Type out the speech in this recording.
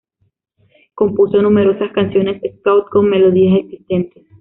Compuso numerosas canciones scout con melodías existentes.